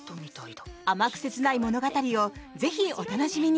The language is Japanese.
甘く切ない物語をぜひお楽しみに！